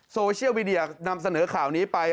โซเชียลมีเดียนำเสนอข่าวนี้ไป